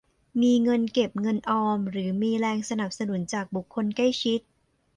มีเงินเก็บเงินออมหรือมีแรงสนับสนุนจากบุคคลใกล้ชิด